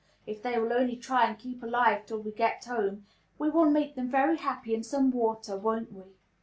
If they will only try and keep alive till we get home, we will make them very happy in some water; won't we?